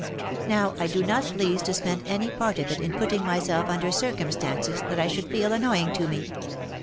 Now I do not please to spend any part of it in putting myself under circum stances that I should feel annoying to me.